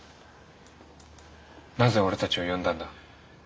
なぜ俺たちを呼んだんだ？